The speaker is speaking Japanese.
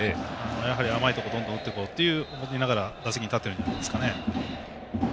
やはり甘いところ、どんどん打っていこうと思いながら打席に立ってるんじゃないでしょうかね。